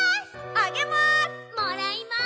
あげます！